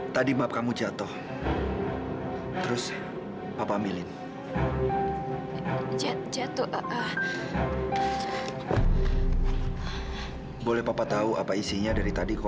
sampai jumpa di video selanjutnya